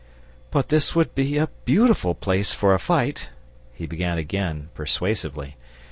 "But this would be a beautiful place for a fight," he began again persuasively.